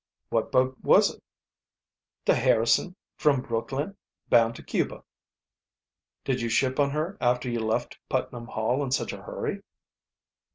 "What boat was it?" "De Harrison, from Brooklyn, bound to Cuba." "Did you ship on her after you left Putnam Hall in such a hurry?